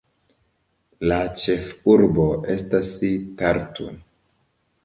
La ĉefurbo estas Tartu.